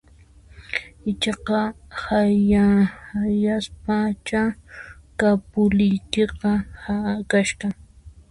Ichaqa hayapaschá kapuliykiqa kashan